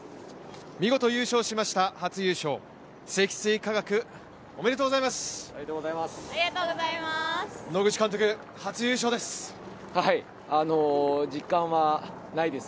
見事優勝しました、初優勝、積水化学、おめでとうございます。